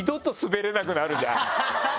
ハハハハ！